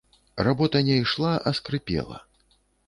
Работа не ішла, а скрыпела.